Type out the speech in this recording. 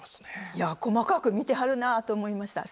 いや細かく見てはるなと思いました。